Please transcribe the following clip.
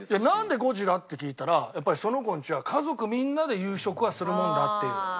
「なんで５時だ」って聞いたらやっぱりその子んちは家族みんなで夕食はするもんだっていう。